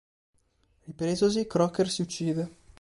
Ripresosi, Crocker si uccide.